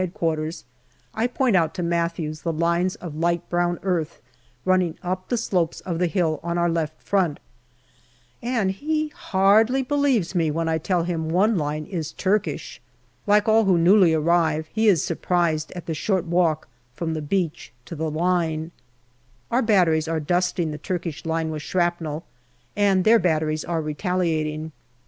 Q., I point out to Matthews the lines of light brown earth running up the slopes of the hill on our left front, and he hardly believes me when I tell him one line is Turkish. Like all who newly arrive, he is surprised at the short walk from the beach to the line. Our batteries are dusting the Turkish line with shrapnel, and their batteries are retaliating.